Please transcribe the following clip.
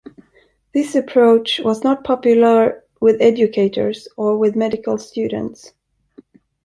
This approach was not popular with educators or with medical students.